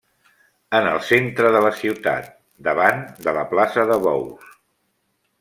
En el centre de la ciutat, davant de la plaça de bous.